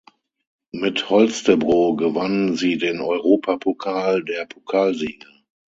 Mit Holstebro gewann sie den Europapokal der Pokalsieger.